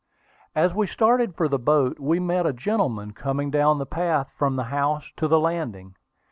As we started for the boat, we met a gentleman coming down the path from the house to the landing.